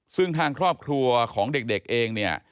ซึ่งทางครอบครัวของเด็กเองเนี่ย